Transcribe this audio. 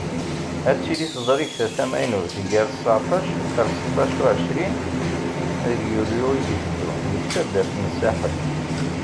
Ad tili tezrigt-a tamaynut, gar seεṭac ar setta u εecrin deg yulyu i d-itteddun deg taddart n Saḥel.